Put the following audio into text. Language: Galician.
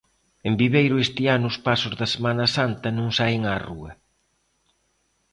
En Viveiro este ano os pasos da Semana Santa non saen á rúa.